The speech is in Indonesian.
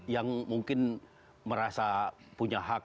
yang mungkin merasa punya hak